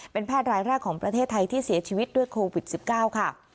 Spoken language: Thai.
เป็นแพทย์รายแรกของประเทศไทยที่เสียชีวิตด้วยโควิด๑๙ค่ะ